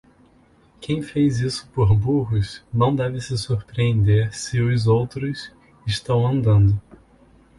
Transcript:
Quem fez isso por burros não deve se surpreender se os outros estão andando.